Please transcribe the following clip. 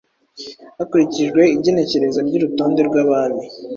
hakurikijwe igenekereza ry’urutonde rw’Abami